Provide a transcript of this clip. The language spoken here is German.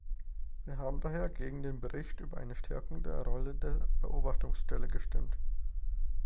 Wir haben daher gegen den Bericht über eine Stärkung der Rolle der Beobachtungsstelle gestimmt.